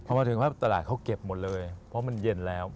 พอมาถึงภาพตลาดเขาเก็บหมดเลยเพราะมันเย็นแล้ว